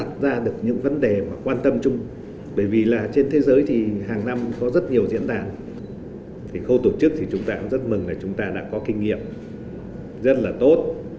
khâu tổ chức thì chúng ta rất mừng là chúng ta đã có kinh nghiệm rất là tốt